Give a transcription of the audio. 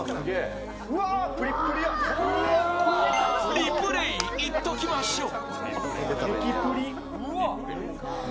リプレー、いっときましょう。